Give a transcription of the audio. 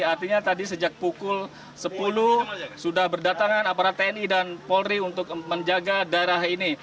artinya tadi sejak pukul sepuluh sudah berdatangan aparat tni dan polri untuk menjaga daerah ini